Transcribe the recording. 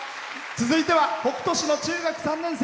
続いては北斗市の中学３年生。